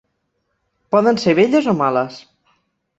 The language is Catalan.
Poden ser belles o males.